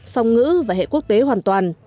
song ngữ và hệ quốc tế hoàn toàn